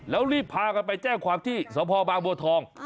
แล้วรีบพากันไปแจ้งความที่สพบางบัวทอง